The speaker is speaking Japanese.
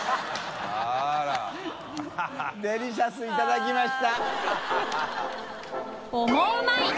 「デリシャス」いただきました